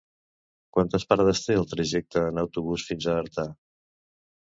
Quantes parades té el trajecte en autobús fins a Artà?